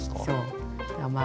そう。